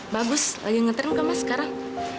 bagus lagi ngetrim kemas sekarang